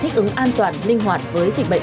thích ứng an toàn linh hoạt với dịch bệnh